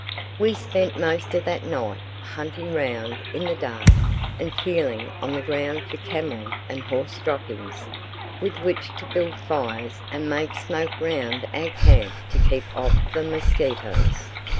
We spent most of that night hunting round in the dark and feeling on the ground for camel and horse droppings with which to build fires and make smoke round our camp to keep off the mosquitoes.